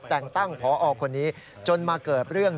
แต่งตั้งพอคนนี้จนมาเกิดเรื่อง